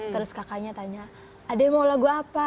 terus kakaknya tanya adik mau lagu apa